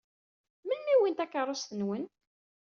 Melmi i wwin takeṛṛust-nwen?